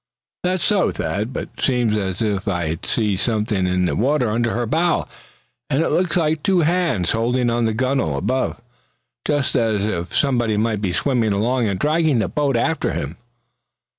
"That's so, Thad, but seems as if I c'd see somethin' in the water under her bow; and it looks like two hands holding on to the gunnel above, just as if somebody might be swimmin' along and dragging the boat after him."